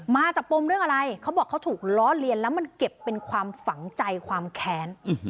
ปมเรื่องอะไรเขาบอกเขาถูกล้อเลียนแล้วมันเก็บเป็นความฝังใจความแค้น